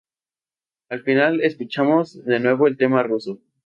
Al final escuchamos de nuevo el tema ruso.